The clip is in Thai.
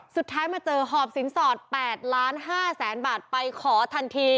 สุดท้ายมาเจอหอบสินสอด๘ล้าน๕แสนบาทไปขอทันที